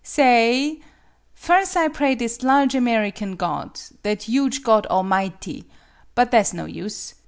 " Sa ay ! Firs' I pray his large American God, that huge Godamighty, but tha' 's no use.